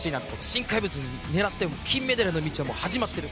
新怪物を狙って金メダルの道は始まっている。